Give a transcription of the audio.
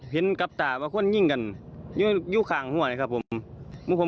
เห็นขับตาวัคนยิ่งกันอยู่ข้างหน้าครับผม